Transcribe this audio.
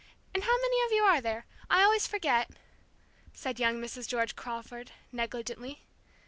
And how many of you are there, I always forget?" said young Mrs. George Crawford, negligently.